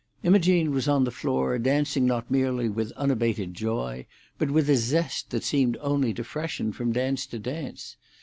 Imogene was on the floor, dancing not merely with unabated joy, but with a zest that seemed only to freshen from dance to dance.